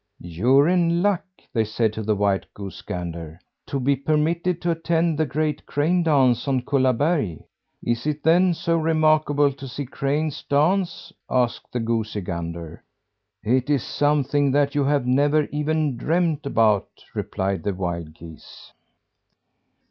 "You're in luck," they said to the white goosey gander, "to be permitted to attend the great crane dance on Kullaberg!" "Is it then so remarkable to see cranes dance?" asked the goosey gander. "It is something that you have never even dreamed about!" replied the wild geese.